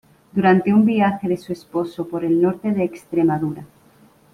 Durante un viaje de su esposo por el norte de Extremadura.